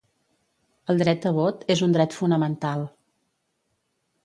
El dret a vot és un dret fonamental.